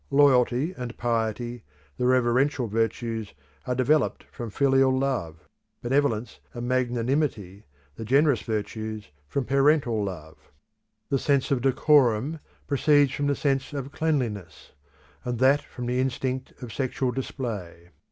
Loyalty and piety, the reverential virtues, are developed from filial love. Benevolence and magnanimity, the generous virtues, from parental love. The sense of decorum proceeds from the sense of cleanliness; and that from the instinct of sexual display.